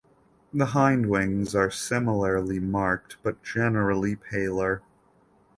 The hindwings are similarly marked but generally paler.